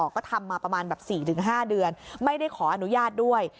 ก็ทำมาประมาณแบบ๔๕เดือนไม่ได้ขออนุญาตด้วย